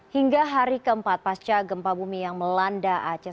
hingga hari keempat pasca gempa bumi yang melanda aceh